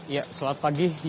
ya selamat pagi